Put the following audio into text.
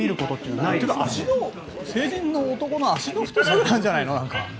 もう、成人の男の足の太さなんじゃないの？